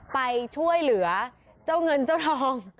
ไปช่วยเหลือเจ้าเงินเจ้าทอง